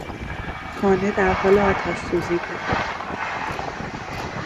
خانه در حال آتشسوزی بود.